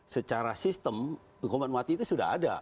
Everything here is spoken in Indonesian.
secara sistem hukuman mati itu sudah ada